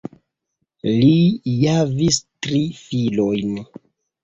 Li javis tri filojn.